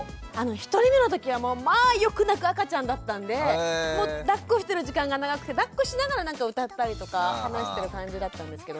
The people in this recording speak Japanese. １人目の時はまあよく泣く赤ちゃんだったんでだっこしてる時間が長くてだっこしながら何か歌ったりとか話してる感じだったんですけど。